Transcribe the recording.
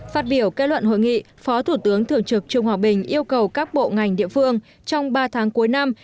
phát biểu kết luận hội nghị phó thủ tướng thường trực trương hòa bình yêu cầu các bộ ngành địa phương trong ba tháng cuối năm